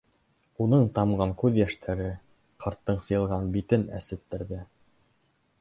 Уның тамған күҙ йәштәре ҡарттың сыйылған битен әсеттерҙе.